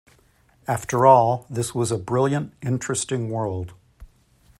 After all this was a brilliant interesting world.